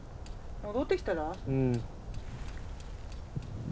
戻ってきたら？